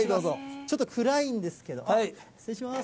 ちょっと暗いんですけど、失礼します。